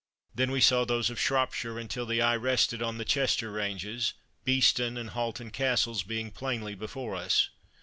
Then we saw those of Shropshire, until the eye rested on the Chester ranges, Beeston and Halton Castles being plainly before us.